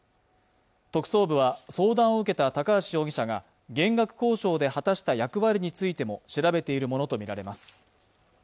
特捜部は相談を受けた高橋容疑者が減額交渉で果たした役割について調べているものとみられます。